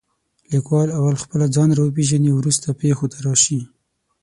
لیکوال اول خپله ځان را وپېژنې او وروسته پېښو ته راشي.